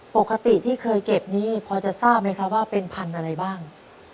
ปกติที่เคยเก็บนี้พอจะทราบไหมครับว่าเป็นพันธุ์อะไรบ้าง